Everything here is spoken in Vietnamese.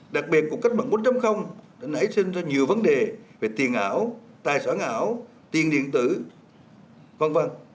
đặc biệt cuộc cách mạng bốn đã nảy sinh ra nhiều vấn đề về tiền ảo tài sản ảo tiền điện tử v v